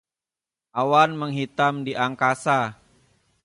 awan menghitam di angkasa